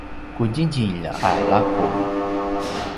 qudjidjilj a laqulj